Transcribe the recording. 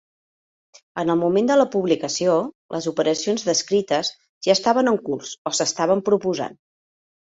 En el moment de la publicació, les operacions descrites ja estaven en curs o s'estaven proposant.